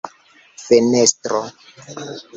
fenestro